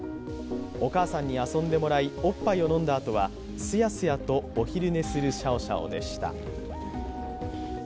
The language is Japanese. お母さんに遊んでもらい、おっぱいを飲んだあとはすやすやとお昼寝するシャオシャオでした。